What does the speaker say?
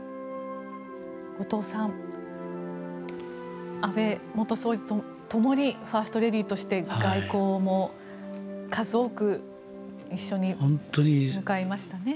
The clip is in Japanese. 後藤さん、安倍元総理とともにファーストレディーとして外交も数多く一緒に向かいましたね。